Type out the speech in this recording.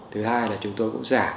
thứ hai là chúng tôi cũng giả